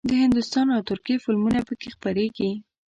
د هندوستان او ترکیې فلمونه پکې خپرېږي.